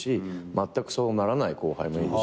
まったくそうならない後輩もいるし